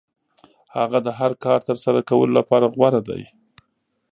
هغه د هر کار ترسره کولو لپاره غوره دی.